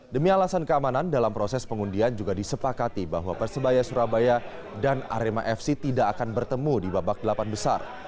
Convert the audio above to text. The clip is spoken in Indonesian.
demi alasan keamanan dalam proses pengundian juga disepakati bahwa persebaya surabaya dan arema fc tidak akan bertemu di babak delapan besar